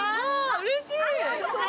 うれしい！